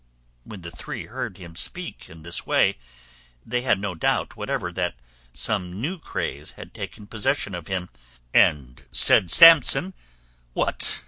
When the three heard him speak in this way, they had no doubt whatever that some new craze had taken possession of him; and said Samson, "What?